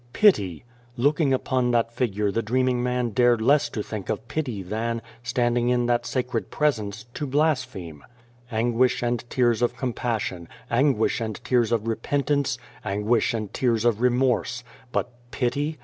Pity ! Looking upon that figure the dreaming man dared less to think of pity than, standing in that sacred presence, to blaspheme. Anguish and tears of compassion, anguish and tears of repentance, anguish and tears of remorse ! But pity